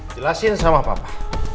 jelasin sama papa